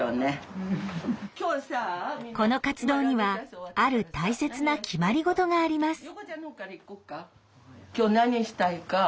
この活動にはある大切な決まり事があります。